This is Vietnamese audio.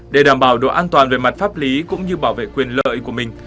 để đảm bảo độ an toàn về mặt pháp lý cũng như bảo vệ quyền lợi của mình